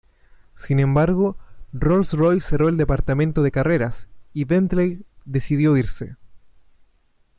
Sin embargo, Rolls-Royce cerró el departamento de carreras, y Bentley decidió irse.